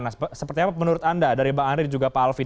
nah seperti apa menurut anda dari bang andri dan juga pak alvin